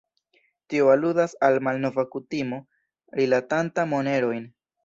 Tio aludas al malnova kutimo rilatanta monerojn.